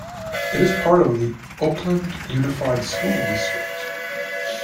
It is part of the Oakland Unified School District.